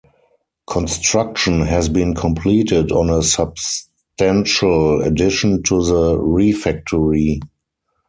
Construction has been completed on a substantial addition to the refectory.